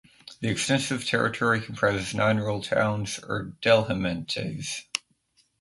The extensive territory comprises nine rural towns or "deelgemeentes".